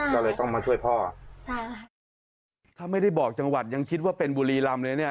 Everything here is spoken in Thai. ก็เลยต้องมาช่วยพ่อใช่ค่ะถ้าไม่ได้บอกจังหวัดยังคิดว่าเป็นบุรีรำเลยเนี่ย